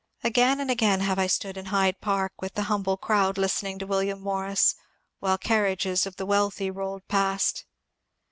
Again and again have I stood in Hyde Park with the humble crowd listening to William Morris, while carriages of the wealthy rolled past.